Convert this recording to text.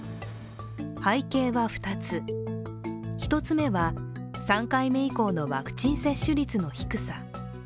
背景は２つ、１つ目は、３回目以降のワクチン接種率の低さ。